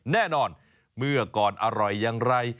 แน่นอนเมื่อก่อนอร่อยอย่างไร